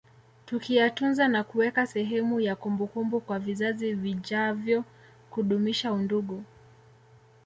Tukiyatunza na kuweka sehemu ya kumbukumbu kwa vizazi vijavyo kudumisha undugu